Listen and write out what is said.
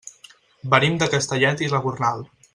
Venim de Castellet i la Gornal.